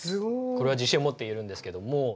これは自信を持って言えるんですけども。